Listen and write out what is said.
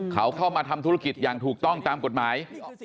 เขาเข้ามาทำธุรกิจอย่างถูกต้องตามกฎหมาย